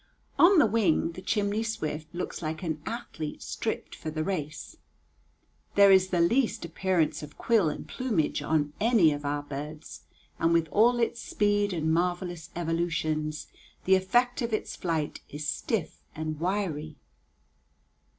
On the wing the chimney swift looks like an athlete stripped for the race. There is the least appearance of quill and plumage of any of our birds, and, with all its speed and marvelous evolutions, the effect of its flight is stiff and wiry.